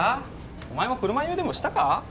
お前も車酔いでもしたか？